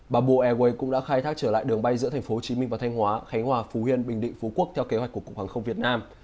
bà bộ airway cũng đã khai thác trở lại đường bay giữa thành phố hồ chí minh và thanh hóa khánh hòa phú hiên bình định phú quốc theo kế hoạch của cục hàng không việt nam